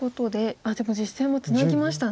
あっでも実戦もツナぎましたね。